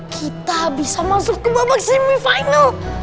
kita bisa masuk ke babak semifinal